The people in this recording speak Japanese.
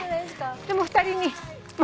でも２人に。